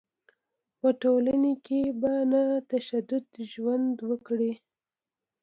په ټولنه کې په نه تشدد ژوند وکړي.